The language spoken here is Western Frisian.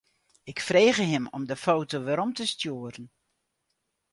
Ik frege him om de foto werom te stjoeren.